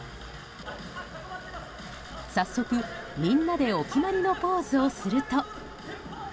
早速、みんなでお決まりでのポーズをすると。